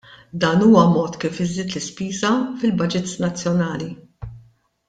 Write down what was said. Dan huwa mod kif iżżid l-ispiża fil-budgets nazzjonali.